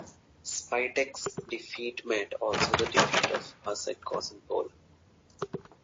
Spytek's defeat meant also the defeat of the Hussite cause in Poland.